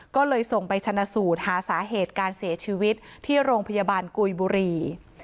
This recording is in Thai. ก็เลยส่งไปชนะสูตรหาสาเหตุการเสียชีวิตที่โรงพยาบาลกุยบุรี